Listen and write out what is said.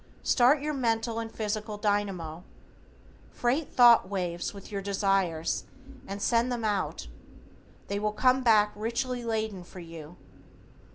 Start your mental and physical dynamo. Freight thought waves with your desires and send them out. They will come back richly laden for you.